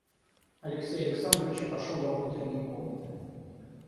Алексей Александрович прошел во внутрение комнаты.